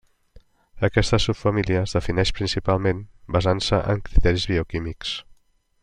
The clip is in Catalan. Aquesta subfamília es defineix principalment basant-se en criteris bioquímics.